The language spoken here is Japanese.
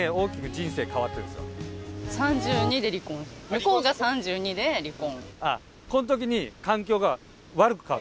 向こうが３２で離婚。